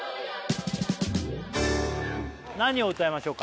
何を歌いましょうか？